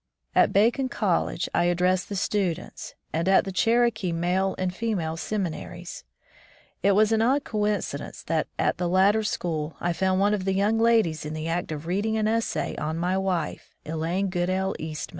At Bacone College I addressed the students, and at the Cherokee male and female seminaries. It was an odd coincidence that at the latter school I found one of the young ladies in the act of reading an essay on my wife, Elaine Goodale Eastman